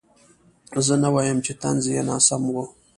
زه نه وایم چې طنز یې ناسم و.